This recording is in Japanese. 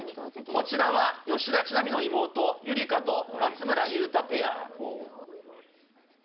こちらは吉田知那美の妹、夕梨花と松村雄太